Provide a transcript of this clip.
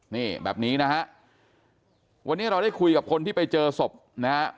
นี่แบบนี้นะฮะวันนี้เราได้คุยกับคนที่ไปเจอศพนะฮะ